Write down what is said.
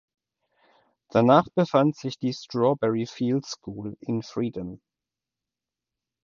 Danach befand sich die Strawberry Fields School in Freedom.